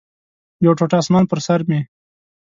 یو ټوټه اسمان پر سر مې